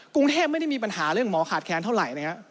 กรุงเทพไม่ได้มีปัญหาเรื่องหมอขาดแค้นเท่าไหร่นะครับ